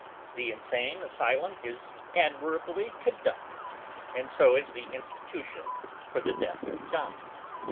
The Insane Asylum is admirably conducted, and so is the Institution for the Deaf and Dumb.